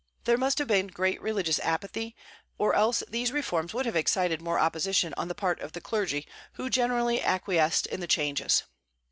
There must have been great religious apathy, or else these reforms would have excited more opposition on the part of the clergy, who generally acquiesced in the changes.